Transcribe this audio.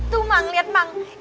tuh mak lihat mak